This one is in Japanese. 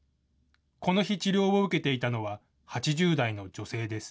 この日、治療を受けていたのは、８０代の女性です。